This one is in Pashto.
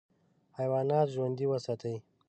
حیوانات ژوندي وساتې.